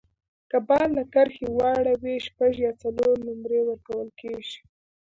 که بال له کرښي واوړي، شپږ یا څلور نومرې ورکول کیږي.